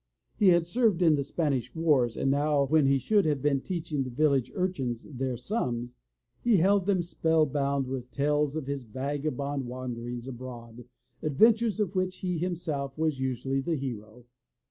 He had served in the Spanish wars, and now, when he should have been teaching the village urchins their sums, he held them spellbound with tales of his vagabond wanderings abroad, adventures of which he, him self, was usually the hero.